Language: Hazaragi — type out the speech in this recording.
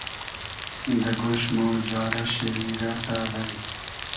دۂ گۉش مۉ جارۂ شیرینگئسۂ الݷ